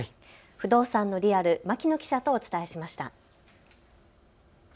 不動産のリアル、牧野記者とお伝えしました。